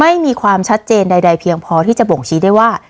ไม่มีความชัดเจนใดเพียงพอที่จะบ่งชี้ได้ว่า